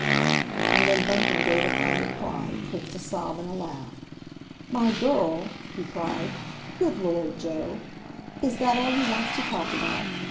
And then Bunting gave a kind of cry, 'twixt a sob and a laugh. "My girl?" he cried. "Good Lord, Joe! Is that all you wants to talk about?